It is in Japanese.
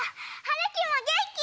はるきもげんき！